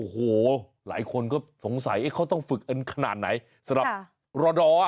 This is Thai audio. โอ้โหหลายคนก็สงสัยเขาต้องฝึกกันขนาดไหนสำหรับรอดอ